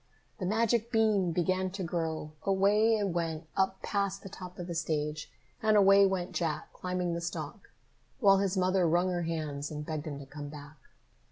The magic bean began to grow! Away it went up past the top of the stage, and away went Jack, climbing the stalk while his mother wrung her hands and begged him to come back.